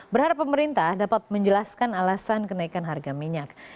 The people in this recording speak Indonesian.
berharap pemerintah dapat menjelaskan alasan kenaikan harga minyak